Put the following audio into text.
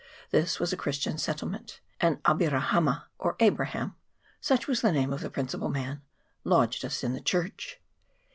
This was a Christian settlement ; and Abe rahama, or Abraham such was the name of the principal man lodged us in the church.